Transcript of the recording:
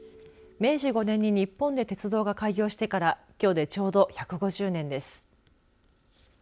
明治５年に日本で鉄道が開業してからきょうでちょうど１５０年です。